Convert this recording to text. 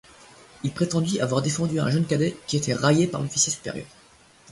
Il prétendit avoir défendu un jeune cadet qui était raillé par l'officier supérieur.